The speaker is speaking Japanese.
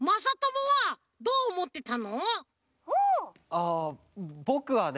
あぼくはね